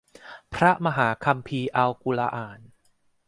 พระมหาคัมภีร์อัลกุรอาน